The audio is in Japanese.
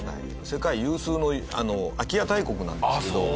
世界有数の空き家大国なんですけど。